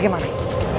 kita harus berubah